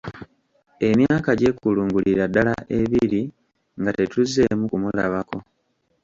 Emyaka gyekulungulira ddala ebiri nga tetuzzeemu kumulabako.